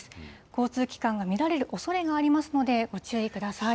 交通機関が乱れるおそれがありますので、ご注意ください。